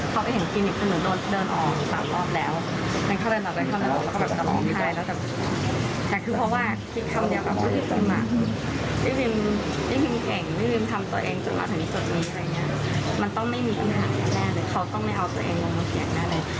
เขาต้องไม่เอาตัวเองลงมาเสียงหน้าเลย